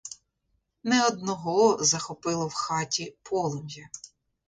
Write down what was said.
Не одного захопило в хаті полум'я.